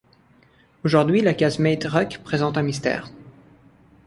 Aujourd'hui, la casemate Ruck présente un mystère.